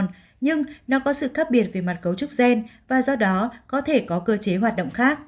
nhưng nó có sự khác biệt về mặt cấu trúc gen và do đó có thể có cơ chế hoạt động khác